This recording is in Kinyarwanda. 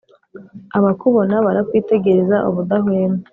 Abakubona barakwitegereza ubudahwema,